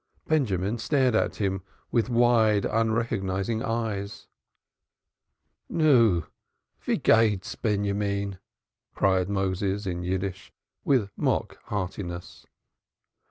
Benjamin stared at him with wide, unrecognizing eyes. "Nu, how goes it, Benjamin?" cried Moses in Yiddish, with mock heartiness.